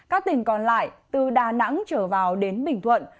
các tỉnh còn lại từ đà nẵng trở vào đến bình thuận